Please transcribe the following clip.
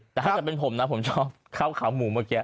แต่ถ้าเกิดเป็นผมนะผมชอบข้าวขาวหมูเมื่อกี้